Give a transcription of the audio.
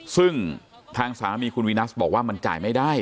ซึ่งทางสามีคุณวีนัสบอกว่ามันจ่ายไม่ได้